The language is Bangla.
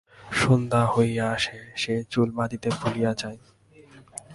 সন্ধ্যা হইয়া আসে, সে চুল বাঁধিতে ভুলিয়া যায়।